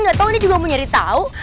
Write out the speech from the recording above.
nggak tahu ini juga mau nyari tahu